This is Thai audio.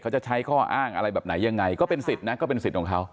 จะใช้ข้ออ้างอะไรแบบไหนยังไงก็เป็นสิทธิ์นะก็เป็นสิทธิ์ของเขา